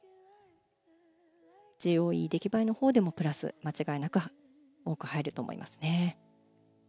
ＧＯＥ、出来栄えのほうでもプラス間違いなく多く入ると思いますね。